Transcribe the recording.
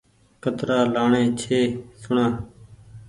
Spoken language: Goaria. ڪترآ لآڻي ڇي سوڻآ